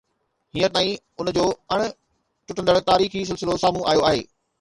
هينئر تائين ان جو اڻ ٽٽندڙ تاريخي تسلسل سامهون آيو آهي.